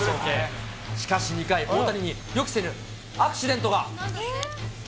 しかし２回、大谷に予期せぬアクシデントが。